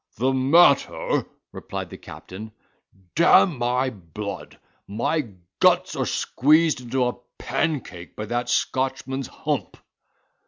"The matter," replied the captain, "d—n my blood! my guts are squeezed into a pancake by that Scotchman's hump."